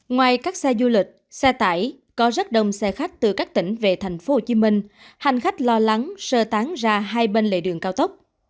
ngoài các xe du lịch xe tải có rất đông xe khách từ các tỉnh về thành phố hồ chí minh hành khách lo lắng sơ tán ra hai bên lệ đường cao tốc